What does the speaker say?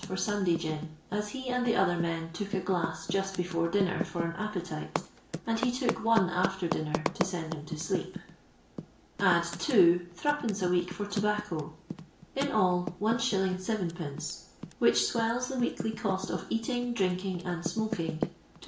for Sunday gin, as he and the other men took a glass just before dinner for an appetite, and he took one after dinner to send him asleep. Add, too, 3(/. a week for tobacco. In all !.<. 7<2., which swells the weekly cost of eating, drinking, and smoking to 13«.